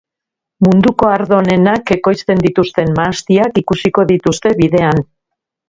Munduko ardo onenak ekoizten dituzten mahastiak ikusiko dituzte bidean.